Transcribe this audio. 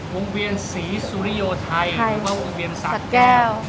วงเวียนศรีสุริโยธัยหรือวงเวียนสัตว์แก้ว